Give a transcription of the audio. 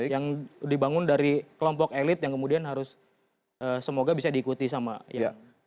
yang dibangun dari kelompok elit yang kemudian harus semoga bisa diikuti sama yang teman di bawah